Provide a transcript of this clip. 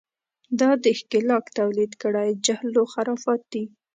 دا د ښکېلاک تولید کړی جهل و خرافات دي.